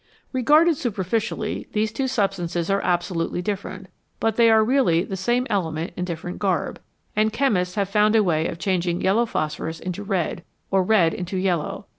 Regarded suparficially, these two substances are absolutely different, but they are really the same element in different garb, and chemists have found a way of changing yellow phosphorus into red, or red into yellow.